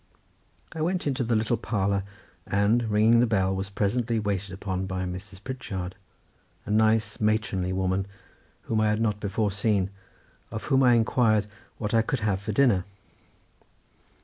I went into the little parlour, and, ringing the bell, was presently waited upon by Mrs. Pritchard, a nice matronly woman, whom I had not before seen, of whom I inquired what I could have for dinner.